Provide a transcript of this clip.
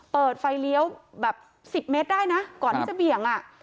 เปิดไฟเลี้ยวแบบ๑๐เมตรได้นะก่อนที่จะเบี่ยงอ่ะ